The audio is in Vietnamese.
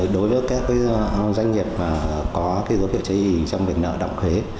đối với các doanh nghiệp có dấu hiệu chế gì trong việc nợ động thuế